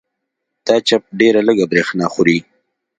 دا چپ ډېره لږه برېښنا خوري.